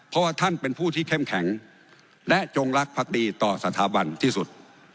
เพราะว่าท่านเป็นผู้ที่เข้มแข็งและจงรักภักดีต่อสถาบันที่สุด